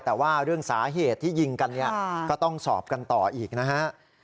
แต่ว่าเรื่องสาเหตุที่ยิงกันเนี่ยก็ต้องสอบกันต่ออีกนะฮะ